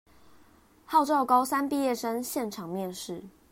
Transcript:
號召高三畢業生現場面試